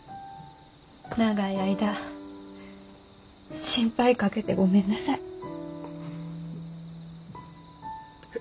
長い間心配かけてごめんなさい。